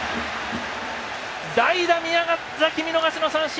代打、宮崎、見逃し三振。